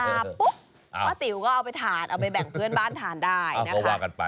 ปุ๊บป้าติ๋วก็เอาไปถาดเอาไปแบ่งเพื่อนบ้านทานได้นะคะ